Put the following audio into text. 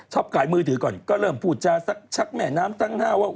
ช็อปการ์ดมือถือก่อนก็เริ่มพูดจะชักแม่น้ำตั้งหน้าว่า